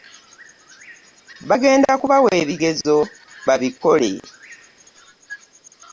Bagenda kubawa ebigezo babikole.